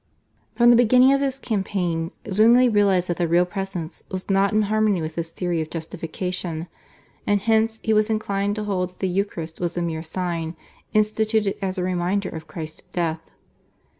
From the beginning of his campaign Zwingli realised that the Real Presence was not in harmony with his theory of justification, and hence he was inclined to hold that the Eucharist was a mere sign instituted as a reminder of Christ's death.